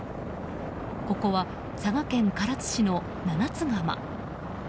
ここは佐賀県唐津市の七ツ釜。